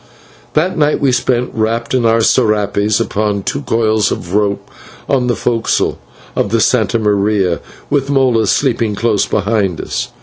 That night we spent, wrapped in our /serapes/, upon two coils of rope on the forecastle of the /Santa Maria/, with Molas sleeping close behind us.